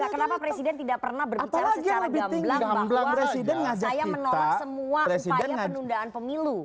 kenapa presiden tidak pernah berbicara secara berulang bahwa saya menolak semua upaya penundaan pemilu